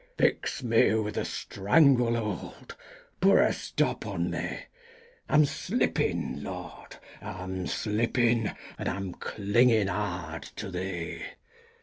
"Fix me with a strangle hold! Put a stop on me! I'm slippin', Lord, I'm slippin' and I'm clingin' hard to Thee!"